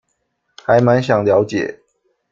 還滿想了解